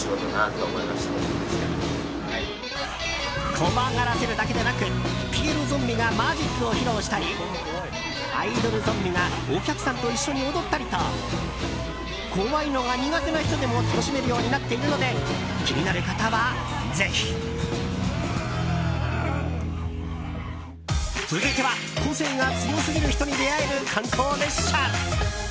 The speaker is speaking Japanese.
怖がらせるだけでなくピエロゾンビがマジックを披露したりアイドルゾンビがお客さんと一緒に踊ったりと怖いのが苦手な人でも楽しめるようになっているので気になる方は、ぜひ！続いては、個性が強すぎる人に出会える観光列車。